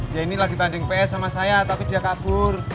jeni lagi tanding ps sama saya tapi dia kabur